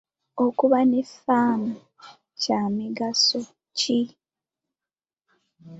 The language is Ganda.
Okuba ne ffaamu kya migaso ki?